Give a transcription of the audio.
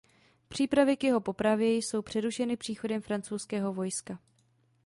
Přípravy k jeho popravě jsou přerušeny příchodem francouzského vojska.